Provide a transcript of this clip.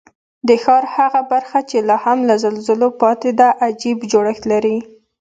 د ښار هغه برخه چې لا هم له زلزلو پاتې ده، عجیب جوړښت لري.